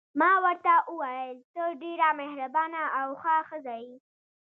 ما ورته وویل: ته ډېره مهربانه او ښه ښځه یې.